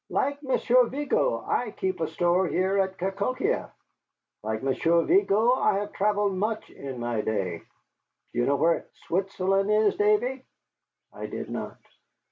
Like Monsieur Vigo I keep a store here at Cahokia. Like Monsieur Vigo, I have travelled much in my day. Do you know where Switzerland is, Davy?" I did not.